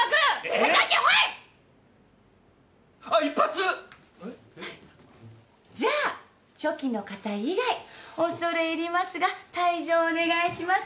えっ？じゃあチョキの方以外恐れ入りますが退場お願いします。